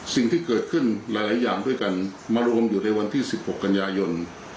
สิ่งที่เกิดขึ้นหลายอย่างด้วยกันมารวมอยู่ในวันที่๑๖กันยายน